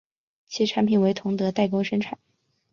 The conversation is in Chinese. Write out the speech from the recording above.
其产品为同德代工生产。